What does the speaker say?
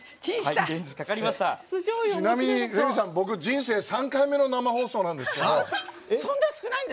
ちなみに僕、人生３回目の生放送なんですけど。